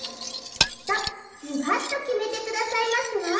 きっとズバッときめてくださいますわ。